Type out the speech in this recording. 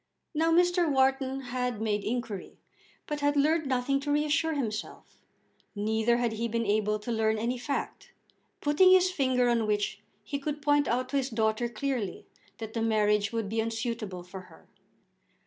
Now Mr. Wharton had made inquiry, but had learned nothing to reassure himself; neither had he been able to learn any fact, putting his finger on which he could point out to his daughter clearly that the marriage would be unsuitable for her.